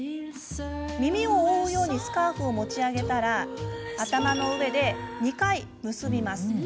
耳を覆うようにスカーフを持ち上げたら頭の上で２回、結びます。